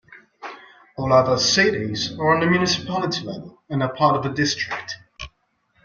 All other cities are on the municipality level and are part of a district.